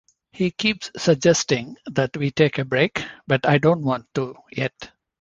He keeps suggesting that we take a break, but I don't want to yet.